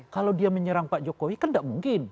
kalau dia menyerang pak jokowi kan tidak mungkin